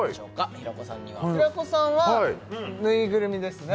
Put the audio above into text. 平子さんには平子さんはぬいぐるみですね